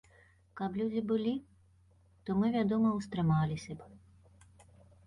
Каб людзі былі, то мы, вядома, устрымаліся бы.